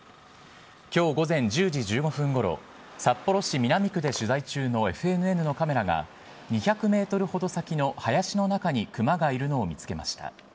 きょう午前１０時１５分ごろ、札幌市南区で取材中のＦＮＮのカメラが、２００メートルほど先の林の中に熊がいるのを見つけました。